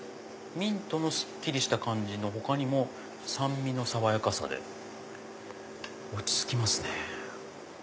ミントのすっきりした感じの他にも酸味の爽やかさで落ち着きますね。